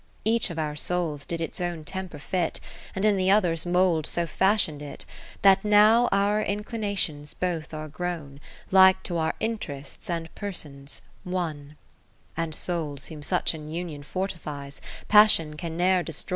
Each of our souls did its own temper fit, And in the other's mould so fashion'd That now our inclinations both ate grown. Like to our interests and persons, one 3 And souls whom such an union fortifies. Passion can ne'er destroy, nor Fate surprise.